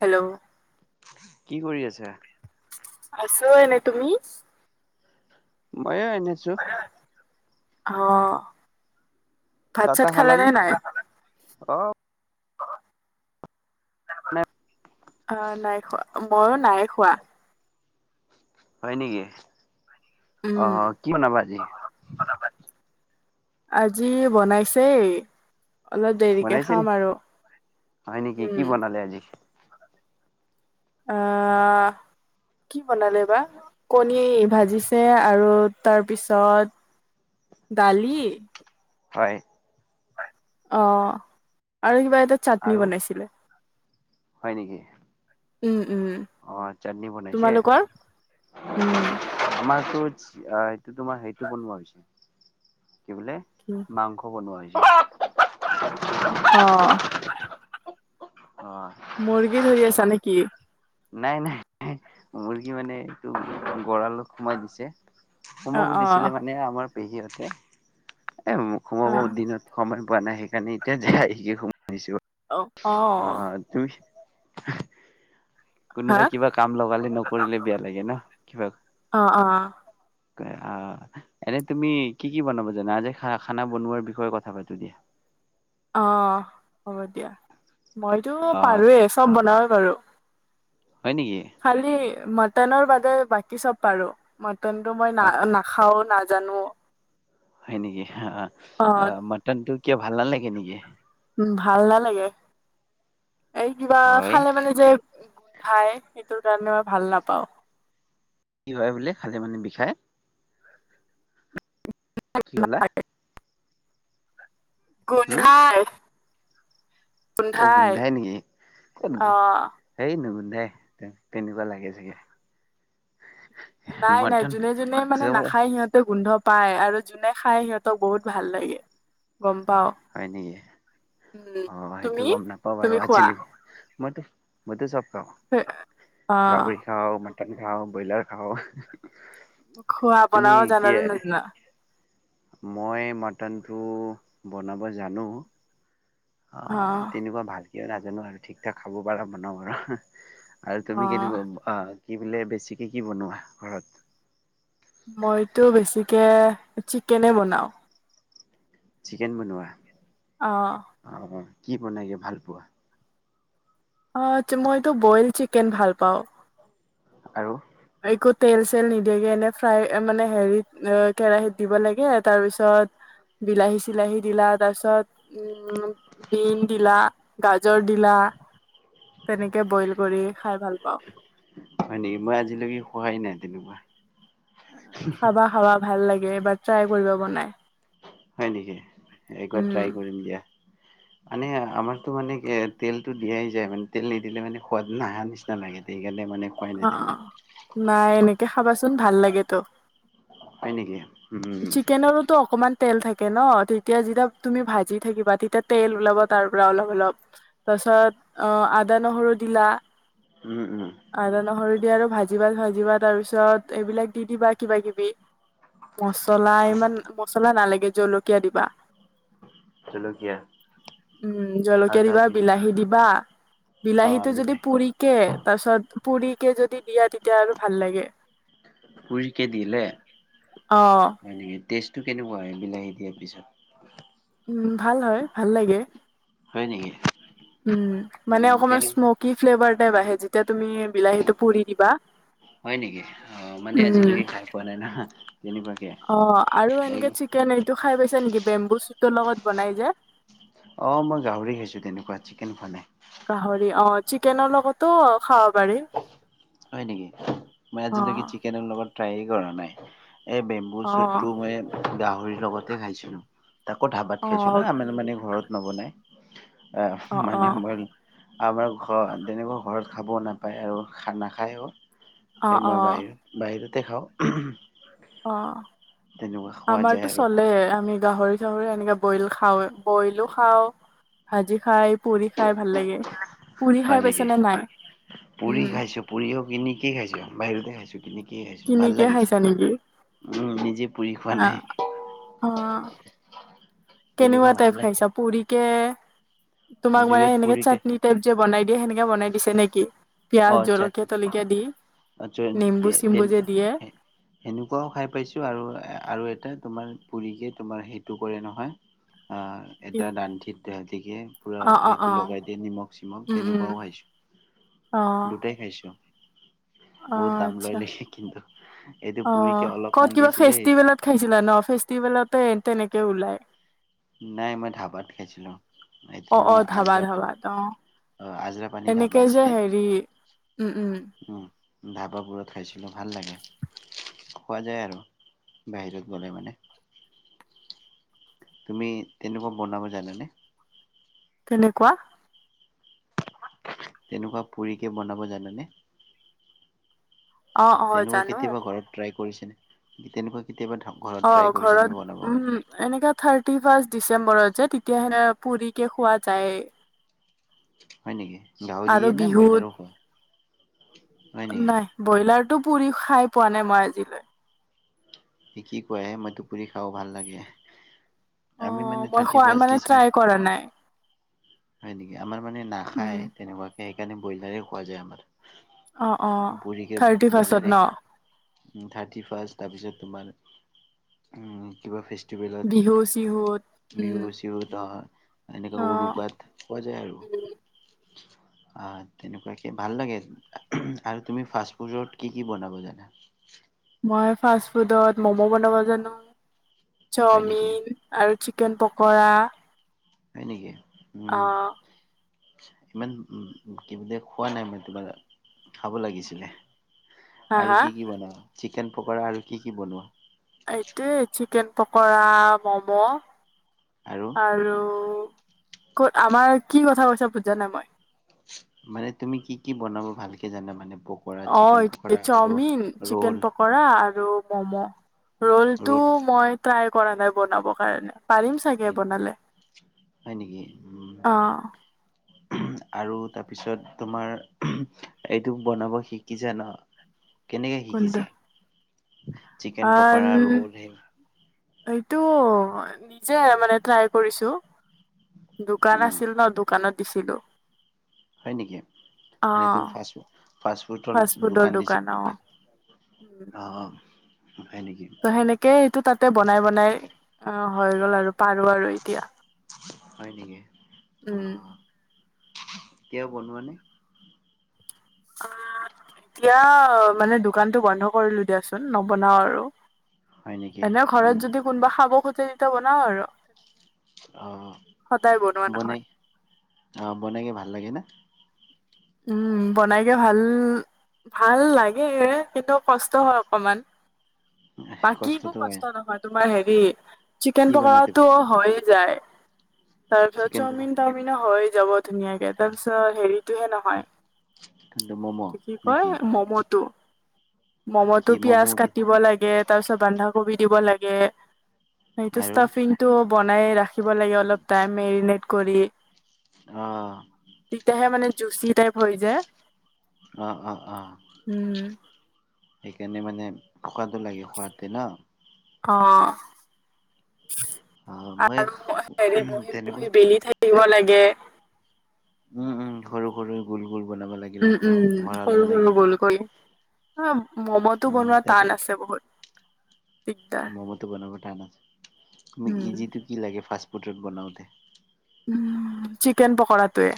Hello কি কৰি আছা? আছো এনেই তুমি ময়ো এনে আছো অ 'ভাত চাত খালে নে নাই অহ অ নাই খোৱা মইো নাই খোৱা হয় নেকি উম আহ কি বাবা আজি আজি বনাইছেই অলপ দেৰিকে বনাইছে নি? খাম আৰু হয় নেকি? কি উম বনালে আজি? অহ কি বনালে বা কণী ভাজিছে আৰু তাৰপিছত দালি হয় অ আৰু কিবা এটা চাটনি আৰু বনাইছিলে হয় নেকি উম উম অ চাটনি বনাইছে তোমালোকৰ উম আমাৰো এইটো তোমাৰ সেইটো বনোৱা হৈছে কি বোলে মাংস বনোৱা হৈছে অ অ' মুৰ্গী ধৰি আছা নেকি নাই নাই মুৰ্গী মানে এইটো গঁৰালত সোমাই দিছে অ সোমাব অ দিছিলে মানে আমাৰ পেহীতে এ অ সোমাব দিনত সময় পোৱা নাই সেইকাৰণে এতিয়া যে আহিকে সোমাইনিছো অ অ [inaudible] হা কোনোবাই কিবা কাম লগালে নকৰিলে বেয়া লাগে ন কিবা অ অ অ এনে তুমি কি কি বনাব জানা আজি খানা বনোৱাৰ বিষয়ে কথা পাতো দিয়া উ অ হ'ব দিয়া মইতো অ পাৰৱে চব বনাওঁ পাৰো হয় নেকি খালি মটনৰ বাদে বাকী চব পাৰো মটন টো মই না হয় নাখাও নাজানো হয় নেকি অ', মাটন টো কিয় ভাল নালাগে নেকি ভাল নালাগে এই কিবা হয় খালে মানে যে খাই সটোৰ গানে মই ভাল নাপাও কি হয় বোলে খালে মানে বিষায় কি কলা হম গুন্ধাই অ গোন্ধাই নেকি কত নেকি অ'। হেই ন গন্ধ দে তেনেকুৱা লাগে চাগে নাই নাই মটন যোনে যোনে মানে চব নাখাই সিহতে গোন্ধ পায় আৰু যোনে খাই সিহঁতক বহুত ভাল লাগে গম পাও হয় নিকি উম, অ সেইটো তুমি গম নাপাওঁ বাৰু তুমি খোৱা আজিলৈকে মইতো মই তো চব খাওঁ অ', গাৱৰি খাওঁ মটন খাওঁ ব্ৰইলাৰ খাও খোৱা বনাব জানানে নাজানা মই মাটনটো বনাব জানো অ তেনেকুৱা ভালকিয় নাজানো আৰু ঠিক ঠাক খাব পাৰা বনাওঁ আৰু আৰু তুমি অ', কেনেুৱা কি বোলে বেছিকে কি বনোৱা ঘৰত মইতো বেছিকে চিকেনে বনাওঁ চিকেন বনোৱা আহ অ কি বনাইগে ভাল পোৱা অ মইতো বইল চিকেন ভাল পাওঁ আৰু একো তেল চেল নিদিয়াকে এনে ফ্ৰাই মানে হেৰিত কেৰাহিত দিব লাগে তাৰপিছত বিলাহী চিলাহী দিলা তা-ছত উম বিন দিলা গাজৰ দিলা তেনেকে বইল কৰি খাই ভাল পাওঁ সহায় নাই যেনিবা খাবা খাবা ভাল লাগে এইবাৰ ট্ৰাই কৰিব বনাই হয় নিকি একবাৰ উম, ট্ৰাই কৰিম দিয়া মানে আমাৰতো মানে এ তেলতটো দিয়াই যায় মানে তেল নিদিলে মানে সোৱাদ নহা নিচিনা লাগে। সেইকাৰণে মানে খোৱাই নাই অ অ তেনেকুৱা নাই এনেকে খাবাচোন ভাল লাগে তো হয় নিকি চিকেনৰোতো অকমান তেল থাকে ন তেতিয়া যেতিয়া তুমি ভাজি থাকিবা তেতিয়া তেল ওলাব তাৰ পৰা অলপ অলপ ছত আ আদা নহৰু দিলা উম উম আদা নহৰু আৰু ভাজি ভাত ভাজিবা তাৰ পিছত এইবিলাক দি দিবা কিবা কিবি মচলা ইমান মছলা নালাগে জলকীয়া দিবা জলকীয়া উম আৰু জলকীয়া দিবা তাৰপিছত বিলাহী দিবা অ' বিলাহীটো যদি বিলাহী পুৰিকে তাৰপিছত পুৰি কে যদি দিয়া তেতিয়া আৰু ভাল লাগে পুৰিকে অ তেষ্টটো কেনেকুৱা এ বিলাহী দিয়াৰ পিছত উম ভাল হয় ভাল লাগে হয় নিকি উ মানে অকমান স্মকি ফ্লেভাৰ টাইপ আহে যেতিয়া তুমি বিলাহীটো পুৰি দিবা হয় নেকি অ মানে উম, আজিলৈকে খাই পোৱা নাই নহয়। অ 'আৰু এনেকে চিকেন এইটো খাই পাইছা নেকি বেম্বু চুটৰ লগত বনাই যে। আহ মই গাহৰি খাইছো তেনেকুৱা চিকেন খোৱা নাই গাহৰি অ', চিকেনৰ লগতো খাব পাৰি হয় নিকি মই আজিলৈকে অ', চিকেনৰ লগত ট্ৰাইয়ে কৰা নাই এই বেম্বু চুটটো অ', মই গাহৰিৰ লগতে খাইছিলো তাকো ধাবাত খাইছিলো অ', অ', আমাৰ মানে ঘৰত নবনাই মানে অ', মই আমাৰ তেনেকুৱা ঘৰত খাব নাপায় পায় আৰু খানা খায়ো এই অ', মই অ', বাহিৰ বাহিৰতে খাওঁ অ তেনেকুৱা খোৱা যায় 'আমাৰতো আৰু চলে আমি গাহৰি এনেকে বইল খাওৱে বইলো খাওঁ। ভাজি খাই পুৰি খাই ভাল লাগে পুৰি খাই হয় পাইছা নিকি নে নাই? পুৰি উম, খাইছো পুৰিও কিনিকে খাইছো বাহিৰতে খাইছো কিনি কি খাইছিলোং ভাল কিনিকে লাগিছে খাইছা নেকি? উম নিজে পুৰি খোৱা নাই অ', অ তেনেকুৱা কেনেকুৱা ভাল টাইপ লাগে খাইছা পুৰিকে তোমাক মানে জুইত সেনেকে পুৰিকে চাটনি টাইপ যে বনাই দিয়ে সেনেকে বনাই দিছে নেকি পিয়াজ জলকীয়া তলকীয়া দি অচন নেম্বু তে চেম্বু তেল যে দিয়ে হে সেনুকাও খাই পাইছো আৰু আৰু এটা তোমাৰ পুৰিকে তোমাৰ সেইটো কৰে নহয় আহ এটা দানঠিত গতিকে পুৰা অ অ অ এইটো লগাই দিয়ে নিমখ চিমখ উম উম তেনেকুৱাও অ খাইছো দুটাই খাইছো অ বহুত দাম লয় আচ্ছা নেকি কিন্তু এইটো অ পুৰিকে ক'ত অলপমান কিবা দিছিলে এইটো ফেষ্টিভেলত খাইছিলা ন ফেষ্টিভেলতে এ এনেকে ওলায় নাই মই ধাবাত খাইছিলো এইটো অ অ তোমাৰ ধাবা আজৰা পানী ধাবাত অ অ আজৰা পানী ধাবা এনেকে যে আছিলে হেৰি উম উম ধাবাবোৰত খাইছিলোঁ ভাল লাগে খোৱা যায় আৰু বাহিৰত গ'লে মানে তুমি তেনেকুৱা বনাব জানানে? কেনেকুৱা তেনেকুৱা পুৰিকে বনাব জানেনে? অ অ তেনেকুৱা জানো কেতিয়াবা ঘৰত ট্ৰাই কৰিছে নে, তেনেকুৱা? কেতিয়াবা ঘৰত অ ট্ৰাই কৰিছেনে বনাব ঘৰত কাৰণে? উম এনেকা থাৰ্টি ফাৰ্ষ্ট। ডিচেম্বৰত যে তেতিয়াহলে পুৰিকে খোৱা যায়। হয় নেকি আৰু গাহৰিয়ে নে বিহুত ব্ৰইলাৰো খোৱা হয় নেকি নাই ব্ৰইলাৰটো পুৰি খাই পোৱা নাই মই আজিলৈ। এহ কি কোৱাহে মইটো পুৰি খাৱ ভাল লাগে। আমি অঁ মানে মই থাৰ্টি খোৱা ফাৰ্ষ্ট মানে ডিচেম্বৰ ট্ৰাই কৰা নাই। হয় নেকি, আমাৰ মানে উম, নাখায় তেনেকুৱাকে সেইকাৰণে ব্ৰইলাৰ খোৱা যায় আমাৰ। অ' অ' পুৰিকে থাৰ্টি ব্ৰইলাৰে ফাষ্টত ন। খাওঁ থাৰ্টি ফাৰ্ষ্ট তাৰ পিছত তোমাৰ, উম কিমান কিবা বিহু তিউবেলত, চিহুত উম, বিহু গুছি গ'ল এনেকা অ' উৰুকাত পোৱা যায় আৰু আহ তেনেকুৱাকে ভাল লাগে আৰু তুমি ফাষ্ট ফুডত কি কি বনাব জানা? মই ফাষ্ট ফুডত ম'ম' বনাব জানো হয় নেকি চাওমিন আৰু চিকেন পকৰা হয় নেকি? উম অ'। ইমান উ কিব দ খোৱা নাই মই কিবা খাব লাগিছিলে হা আৰু হা কি কি বনোৱা চিকেন পকৰা আৰু কি কি বনোৱা? এইটোয়েই চিকেন পকৰা, ম'ম' আৰু ক'ত আমাৰ কি কথা কৈছা বুজা নাই মই। মানে তুমি কি কি বনাব ভালকে জানা, মানে পকৰা অ' চিকেন এইটো পকৰা আৰু চাওমিন, চিকেন ৰ'ল পকৰা আৰু ম'ম' ৰলটো ৰ'ল মই ট্ৰাই কৰা নাই বনাব কাৰণে। পাৰিম চাগে বনালে, হয় নেকি? উম অঁ। [unintelligible] আৰু তাৰপিছত তোমাৰ এইটো বনাব শিকিছা ন? কেনেকে কোনটো শিকিছা, চিকেন আন পকৰা, ৰোল সেই এইটো, নিজে মানে ট্ৰাই কৰিছোঁ দোকান উম আছিল ন দোকানত দিছিলো। হয় নেকি, অ মানে তুমি ফাষ্ট ফু ফাষ্টফুডৰ ফাষ্ট ফুডৰ দোকান দিছিলা অ। নেকি উম অ' অ'। ত সেনেকে এইটো তাতে বনাই বনাই, অ' হৈ গ'ল আৰু পাৰো আৰু এতিয়া। হয় নেকি। উম। কিয় বনোৱা নে? এতিয়া মানে দোকানটো বন্ধ কৰিলো দিয়াচোন নবনাওঁ আৰু হয় নেকি? এনেও ঘৰত উম যদি কোনোবা খাব খোজে তেতিয়া বনাওঁ আৰু আহ সদায় বনোৱা বনাই নহয় আহ বনাইকে ভাল লাগে না? উম বনাইকে ভাল ভাল লাগে, কিন্তু কষ্ট হয় অকণমান। বাকীবোৰ কষ্টটো হয়। কষ্ট নহয় তোমাৰ হেৰি, চিকেন কি বনাও তুমি? পকৰাটো হয়। যায় তাৰপিছত চিকেন পকৰা, চাওমিন-টাওমিনো হয় যাব ধুনীয়াকে, তাৰপিছত হেৰিটোহে নহয় কোনটো ম'ম' কি নেকি? কয় ম'ম'টো কি মম'তটো পিয়াজ ম'ম' কাটিব লাগে তাৰ পিছত বন্ধাকবি দিব লাগে সটো আৰু ষ্টফিংটো বনাই ৰাখিব লাগে অলপ টাই মেৰিনেট কৰি অ' তেতিয়াহে মানে জুচি টাইপ হৈ যায়। অ - অ - অ উম সেইকাৰণে মানে থকটো লাগে খোৱতে ন। অ', অ মই আৰু হেৰি বহি - তেনেকুৱা বহি বেলি থাকিব লাগে। উম- উম, সৰু -সৰু, গোল - গোল বনাব লাগিল উম আকৌ উম ভৰা ল'ব লাগিল। হ মমতো উম বনোৱা টান আছে বহুত দিগদাৰ। ম'মোটো বনাব টানা তুমি উম। ইজিটো কি লাগে ফা ফুড বনাওতে। উ চিকেন পকৰাটোৱে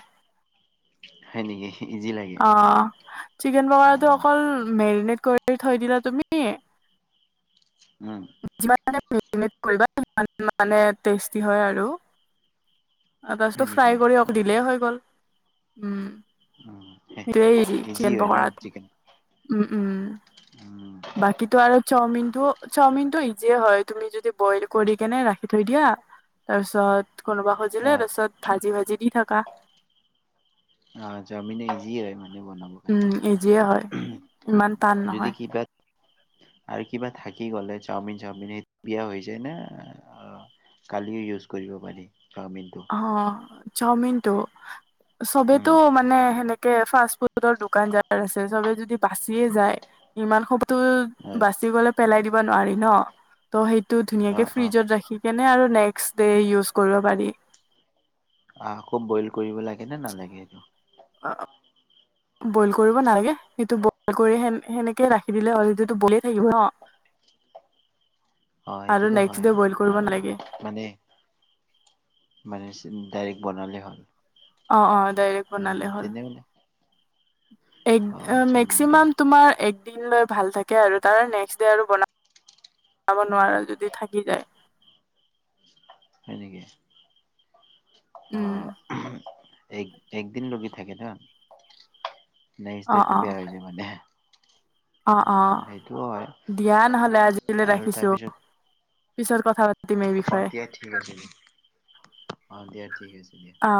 হয় নেকি। ইজি লাগে অ, চিকেন অ পকৰাটো অকল মেৰিনেট কৰি থৈ দিলা তুমি উম, যিমানে কৰিবা ই মানে টেষ্টি হয় আৰু। [unintelligible] আ তছতটো হয় নেকি ফ্ৰাই কৰি অক অ দিলেই হৈ গ'ল উম, উম ৰি ইজি চিকেন হয় ন পখৰাতে চিকেন উম - উম। উম বাকীটো আৰু চাওমিন কিন্তু চাওমিনটো ইজিয়ে হয় তুমি যদি বইল কৰি কেনে ৰাখি থৈ দিয়া তাৰপিছত কোনোবা সজিলে অ ৰচত ভাজি - ভাজি দি থাকা। অ, জামিন ইজি বনাব উম কাৰে ইজিয়ে হয় ইমান টান যদি নহয় কিবা আৰু কিবা থাকি গ'লে চাওমিন - চাওমিন সেই বিয়া হৈ যায় না কালিও ইউজ কৰিব পাৰি। চাওমিনটো অ, চাওমিনটো চবেতো উম মানে সেনেকে ফাষ্ট ফুডৰ দোকান যাৰ আছে চবে য য বাচিয়ে যায় ইমান খবটো অ বাচি গলে পেলাই দিব। নি ন ত সেইটো অ ধুনীয়াকে অ', ফ্ৰিজত ৰাখি কেনে আৰু নেক্সট ডে ইউজ কৰিব পাৰি। আহকু বইল কৰিব লাগে নে নালাগে সেইটো বইল কৰিব নালাগে সেইটো বইল কৰি সেনেকে ৰাখি দিলে হ'ল যটো বলেিয়ে থাকিব ন। [inaudible] অ আৰু এইটোতো নেক্সট হয় ডে বইল কৰিব আহ নালাগে মানে মানে ডাইৰেক্ট বনালে হ'ল। অ অ ডাইৰেক্ট উম, বনালে হ'ল তেনেহ'লে এক অ চাওমিনটো মেক্সিমাম তুমাৰ দিন লৈ ভাল থাকে আৰু তাৰ নেক্সট ডে আৰু বনাও। যাব নোৱাৰা যদি থাকি যায়। [inaudible] নেকি? অ উম, এক- একদিন লগি থাকে ন নেক্সট অ ডেটো অ বেয়া হৈ যাব দে অ অ হয় দিয়া নহলে আজিলৈ আৰু ৰাখিছো তাৰপিছত পিছত কথা প অ, দিয়া ঠিক আছে দিয়া- অ, দিয়া ঠিক আছে দিয়া। অ